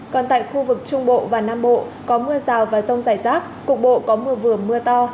còn tại khu vực trung bộ và nam bộ có mưa rào và rông rải rác cục bộ có mưa vừa mưa to